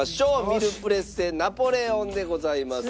ミルプレッセナポレオンでございます。